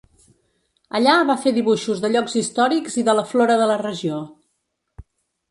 Allà va fer dibuixos de llocs històrics i de la flora de la regió.